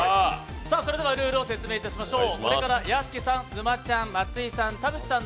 それではルールを説明いたしましょう。